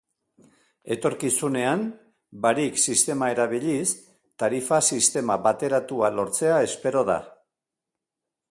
Etorkizunean Barik sistema erabiliz tarifa-sistema bateratua lortzea espero da.